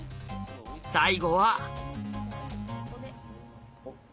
最後は。